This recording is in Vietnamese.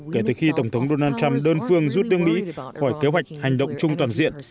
kể từ khi tổng thống donald trump đơn phương rút đương mỹ khỏi kế hoạch hành động chung toàn diện